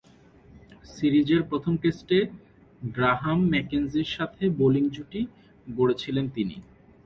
সিরিজের প্রথম টেস্টে গ্রাহাম ম্যাকেঞ্জি’র সাথে বোলিং জুটি গড়েছিলেন তিনি।